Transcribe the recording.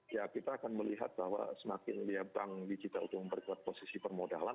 ya kita akan melihat bahwa semakin lihat bank digital untuk memperkuat posisi permodalan